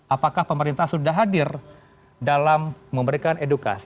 apakah pemerintah sudah hadir dalam memberikan edukasi